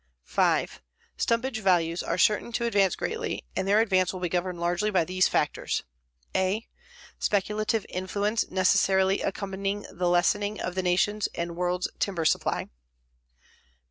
5. Stumpage values are certain to advance greatly and their advance will be governed largely by these factors: a. Speculative influence necessarily accompanying the lessening of the nation's and the world's timber supply.